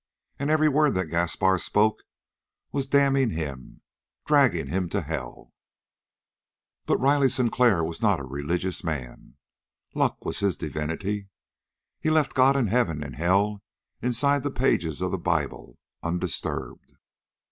And every word that Gaspar spoke was damning him, dragging him to hell. But Riley Sinclair was not a religious man. Luck was his divinity. He left God and heaven and hell inside the pages of the Bible, undisturbed.